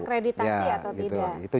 terakreditasi atau tidak